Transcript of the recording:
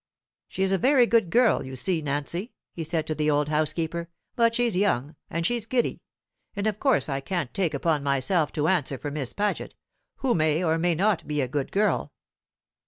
"She is a very good girl, you see, Nancy," he said to the old housekeeper, "but she's young, and she's giddy; and of course I can't take upon myself to answer for Miss Paget, who may or may not be a good girl.